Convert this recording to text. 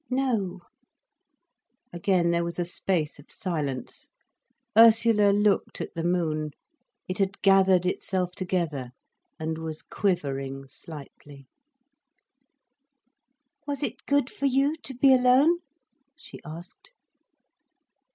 "No." Again there was a space of silence. Ursula looked at the moon. It had gathered itself together, and was quivering slightly. "Was it good for you, to be alone?" she asked.